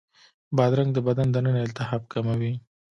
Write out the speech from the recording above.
بادرنګ د بدن دننه التهاب کموي.